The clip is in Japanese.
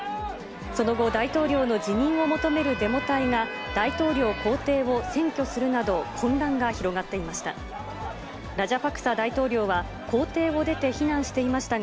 その後、大統領の辞任を求めるデモ隊が、大統領公邸を占拠するなど、混乱が広がっていました。